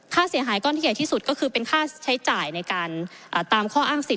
ค่าเสียหายก้อนที่ใหญ่ที่สุดก็คือเป็นค่าใช้จ่ายในการตามข้ออ้างสิทธ